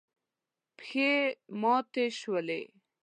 پښې ماتې شولې.